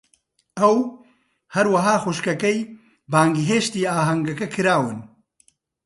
ئەو، هەروەها خوشکەکەی، بانگهێشتی ئاهەنگەکە کراون.